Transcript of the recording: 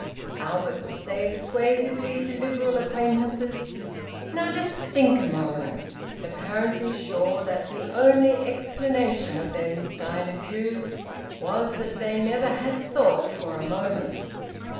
Albert would say persuasively to Liberal acquaintances: "Now just think a moment!" apparently sure that the only explanation of their misguided views was that they never had thought for a moment.